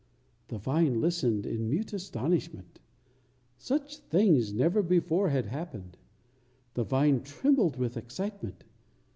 The vine listened in mute astonishment. Such things never before had happened. The vine trembled with excitement.